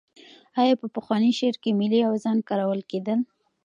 آیا په پخواني شعر کې ملي اوزان کارول کېدل؟